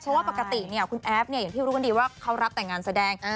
เพราะว่าปกติเนี่ยคุณแอฟเนี่ยอย่างที่รู้กันดีว่าเขารับแต่งงานแสดง